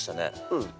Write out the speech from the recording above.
うん。